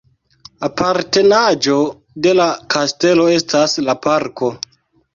Apartenaĵo de la kastelo estas la parko.